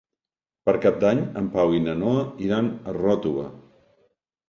Per Cap d'Any en Pau i na Noa iran a Ròtova.